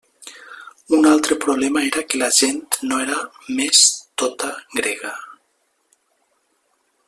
Un altre problema era que la gent no era més tota grega.